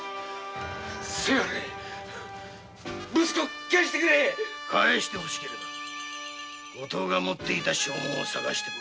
せがれを息子を返してくれ返して欲しければ後藤が持っていた証文を探してこい。